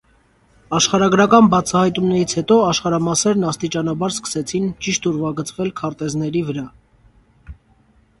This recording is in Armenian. Աշխարհագրական բացահայտումներից հետո աշխարհամասերն աստիճանաբար սկսեցին ճիշտ ուրվագծվել քարտեզների վրա։